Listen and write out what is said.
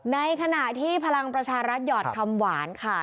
ในขณะที่พลังประชารัฐหยอดคำหวานค่ะ